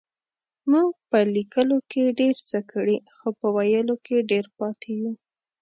مونږ په لکيلو کې ډير څه کړي خو په ويلو کې ډير پاتې يو.